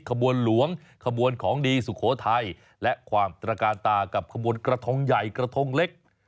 ขบวนหลวงขบวนของดีสุโขทัยและความตระการตากับขบวนกระทงใหญ่กระทงเล็ก